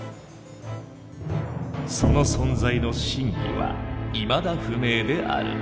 その存在の真偽はいまだ不明である。